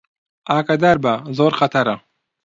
ئاگادار بە، زۆر خەتەرە